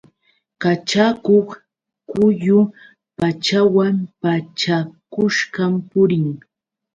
Kachakuq quyu pachawan pachakushqam purin.